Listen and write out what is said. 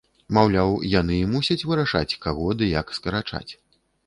Маўляў, яны і мусяць вырашаць, каго ды як скарачаць.